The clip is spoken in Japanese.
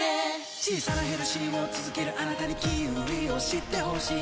小さなヘルシーを続けるあなたにキウイを知ってほしい